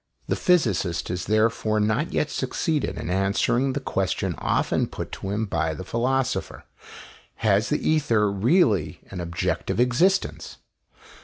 The physicist has therefore not yet succeeded in answering the question often put to him by the philosopher: "Has the ether really an objective existence?"